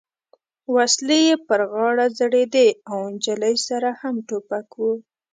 وسلې یې پر غاړه ځړېدې او نجلۍ سره هم ټوپک و.